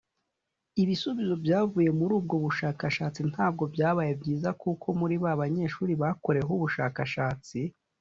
Ibisubizo byavuye muri ubwo bushakashatsi ntabwo byabaye byiza kuko muri ba banyeshuri bakoreweho ubushakashatsi